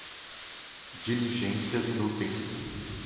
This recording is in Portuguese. diligências inúteis